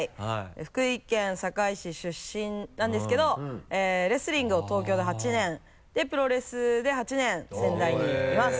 福井県坂井市出身なんですけどレスリングを東京で８年。でプロレスで８年仙台にいます